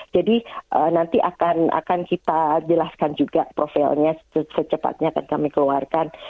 jadi nanti akan kita jelaskan juga profilnya secepatnya akan kami keluarkan